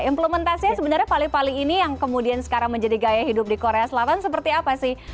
implementasinya sebenarnya pali pali ini yang kemudian sekarang menjadi gaya hidup di korea selatan seperti apa sih